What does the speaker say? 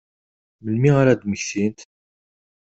Melmi ara ad mmektint?